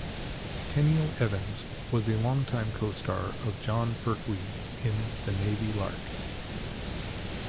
Tenniel Evans was a long-time co-star of Jon Pertwee in "The Navy Lark".